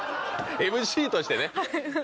ＭＣとしてね。